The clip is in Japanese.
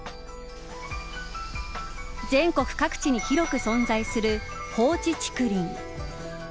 全国各地に広く存在する放置竹林。